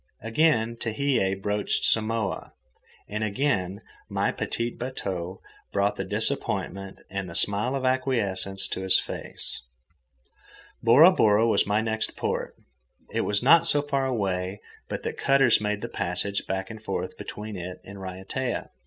Again Tehei broached Samoa, and again my petit bateau brought the disappointment and the smile of acquiescence to his face. Bora Bora was my next port. It was not so far away but that cutters made the passage back and forth between it and Raiatea.